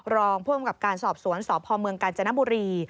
รองผู้อำกับการสอบสวนสพเมืองกาญจนบุรี